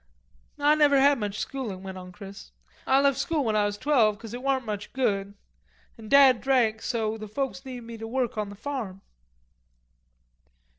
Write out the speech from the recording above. "Ah never had much schoolin'," went on Chris. "I lef school when I was twelve, 'cause it warn't much good, an' dad drank so the folks needed me to work on the farm."